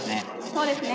そうですね。